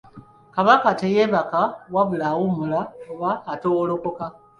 Kabaka teyeebaka wabula awummula oba atoowolooka.